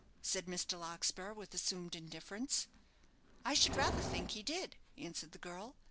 said Mr. Larkspur, with assumed indifference. "I should rather think he did," answered the girl.